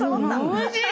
おいしい！